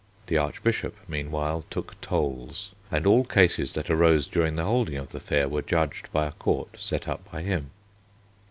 The Archbishop, meanwhile, took tolls, and all cases that arose during the holding of the fair were judged by a court set up by him.